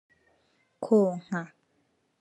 Konka